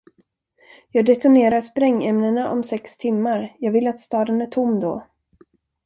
Jag detonerar sprängämnena om sex timmar, jag vill att staden är tom då.